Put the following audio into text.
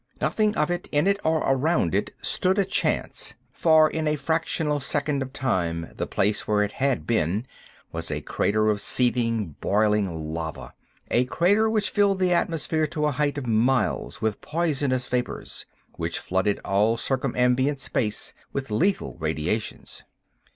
Nothing of it, in it, or around it stood a chance, for in a fractional second of time the place where it had been was a crater of seething, boiling lava—a crater which filled the atmosphere to a height of miles with poisonous vapors; which flooded all circumambient space with lethal radiations.